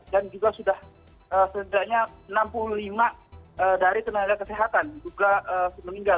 dan juga sudah setidaknya enam puluh lima dari tenaga kesehatan juga meninggal